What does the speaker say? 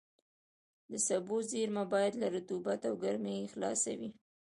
د سبو زېرمه باید له رطوبت او ګرمۍ خلاصه وي.